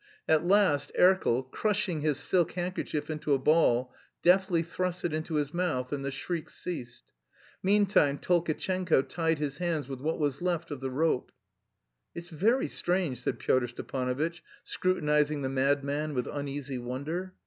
At last Erkel, crushing his silk handkerchief into a ball, deftly thrust it into his mouth and the shriek ceased. Meantime Tolkatchenko tied his hands with what was left of the rope. "It's very strange," said Pyotr Stepanovitch, scrutinising the madman with uneasy wonder.